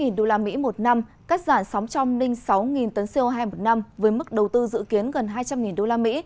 tám usd một năm cắt giản sóng trong ninh sáu tấn co hai một năm với mức đầu tư dự kiến gần hai trăm linh usd